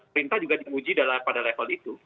perintah juga diuji pada level itu